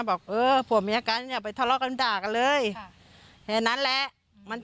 บอกเออผัวเมียกันอย่าไปทะเลาะกันด่ากันเลยแค่นั้นแหละ